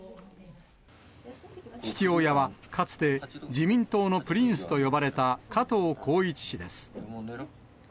父親はかつて、自民党のプリンスと呼ばれた加藤紘一氏です。